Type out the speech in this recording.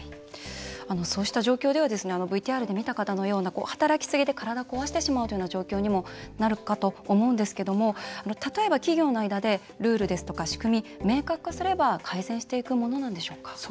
そうした状況ではＶＴＲで見た人のように働きすぎて体を壊すような状況になるかと思うんですけど例えば企業の間でルールですとか、仕組み明確化すれば改善していくものでしょうか？